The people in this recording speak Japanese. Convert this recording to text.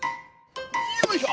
よいしょ！